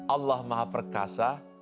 allah maha perkasa